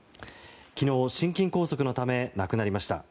昨日、心筋梗塞のため亡くなりました。